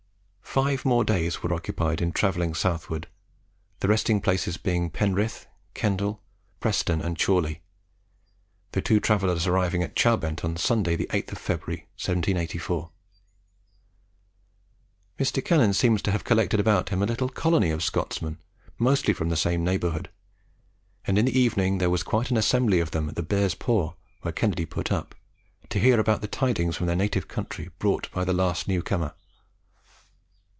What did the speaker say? Five more days were occupied in travelling southward, the resting places being at Penrith, Kendal, Preston, and Chorley, the two travellers arriving at Chowbent on Sunday the 8th of February, 1784. Mr. Cannan seems to have collected about him a little colony of Scotsmen, mostly from the same neighbourhood, and in the evening there was quite an assembly of them at the "Bear's Paw," where Kennedy put up, to hear the tidings from their native county brought by the last new comer.